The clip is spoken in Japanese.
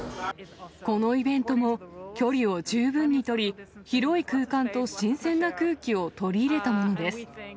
このイベントも距離を十分に取り、広い空間と新鮮な空気を取り入れたものです。